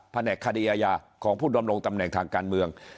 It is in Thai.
แหนกคดีอาญาของผู้ดำรงตำแหน่งทางการเมือง